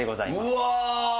うわ！